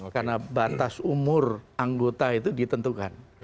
karena batas umur anggota itu ditentukan